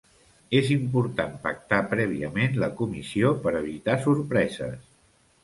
És important pactar prèviament la comissió per evitar sorpreses.